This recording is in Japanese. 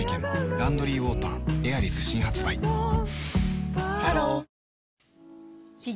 「ランドリーウォーターエアリス」新発売ハロー戦。